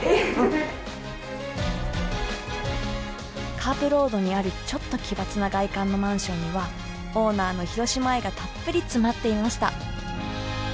カープロードにあるちょっと奇抜な外観のマンションにはオーナーの広島愛がたっぷり詰まっていました。